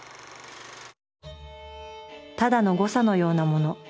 「ただの誤差のようなもの。